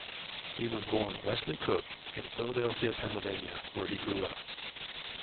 He was born Wesley Cook in Philadelphia, Pennsylvania, where he grew up.